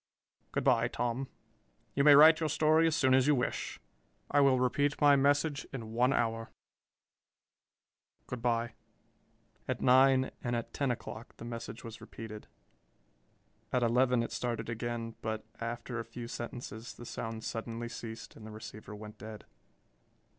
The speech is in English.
Good by, Tom. You may write your story as soon as you wish. I will repeat my message in one hour. Good by!" At nine and at ten o'clock the message was repeated. At eleven it started again but after a few sentences the sound suddenly ceased and the receiver went dead.